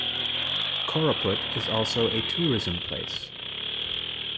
Koraput is also a Tourism Place.